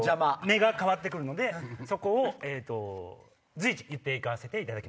目が変わって来るのでそこをえっと随時言って行かせていただきます。